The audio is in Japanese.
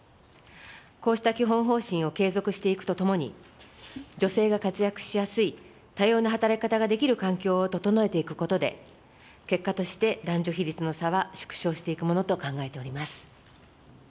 こうした基本方針を継続していくとともに、女性が活躍しやすい多様な働き方ができる環境を整えていくことで、結果として男女比率の差は縮小していくものと考えております。